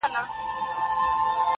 شرم پر حقيقت غالب کيږي تل،